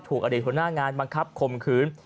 ถูกอดีตหน้างานบังคับคมคืน